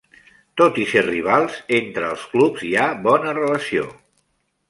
Tot i ser rivals, entre els clubs hi ha bona relació.